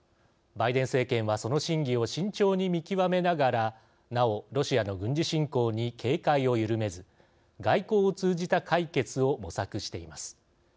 バイデン政権はその真偽を慎重に見極めながらなお、ロシアの軍事侵攻に警戒を緩めず、外交を通じた解決を模索しています。